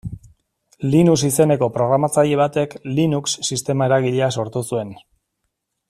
Linus izeneko programatzaile batek Linux sistema eragilea sortu zuen.